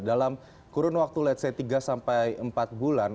dalam kurun waktu let's say tiga sampai empat bulan